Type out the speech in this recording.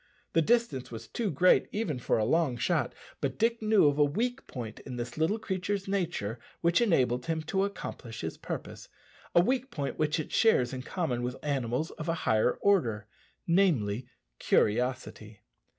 The distance was too great even for a long shot; but Dick knew of a weak point in this little creature's nature which enabled him to accomplish his purpose a weak point which it shares in common with animals of a higher order namely, curiosity.